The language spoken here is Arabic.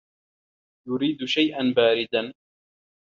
يريد شيئا باردا.